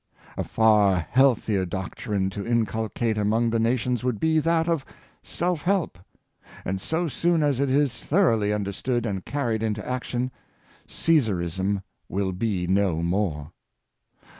A far healthier doc trine to inculcate among the nations would be that of self help; and so soon as it is thoroughly understood and carried into action, Caesarism will be no more.